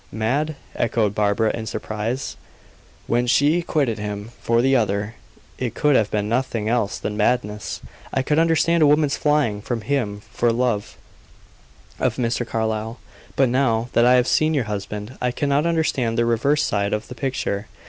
"Mad!" echoed Barbara, in surprise. "When she quitted him for the other. It could have been nothing else than madness. I could understand a woman's flying from him for love of Mr. Carlyle; but now that I have seen your husband, I cannot understand the reverse side of the picture.